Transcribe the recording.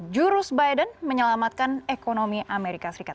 jurus biden menyelamatkan ekonomi amerika serikat